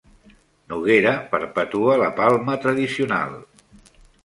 Noguera perpetua la Palma tradicional